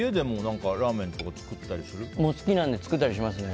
好きなので作ったりしますね。